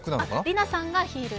吏南さんがヒール。